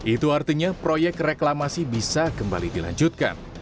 itu artinya proyek reklamasi bisa kembali dilanjutkan